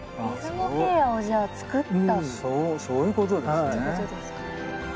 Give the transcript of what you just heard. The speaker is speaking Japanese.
そうそういうことですね。